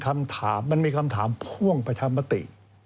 มันมีคำถามพ่วงประชามติ